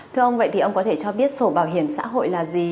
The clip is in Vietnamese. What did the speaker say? thưa ông vậy thì ông có thể cho biết sổ bảo hiểm xã hội là gì